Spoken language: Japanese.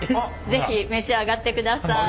是非召し上がってください。